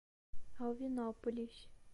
Alvinópolis